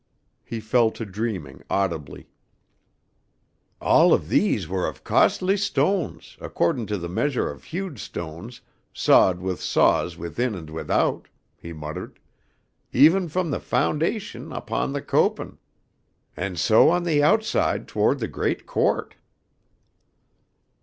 He fell to dreaming audibly. "All these were of costly stones, accordin' to the measuah of hewed stones, sawed with saws within and without," he muttered, "even from the foundation unto the copin', and so on the outside toward the great court."